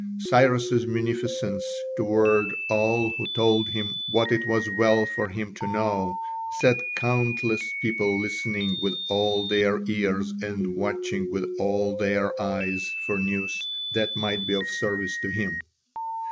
Cyrus' munificence toward all who told him what it was well for him to know set countless people listening with all their ears and watching with all their eyes for news that might be of service to him.